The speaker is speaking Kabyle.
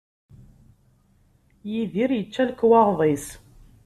Yidir yečča lekwaɣeḍ-is.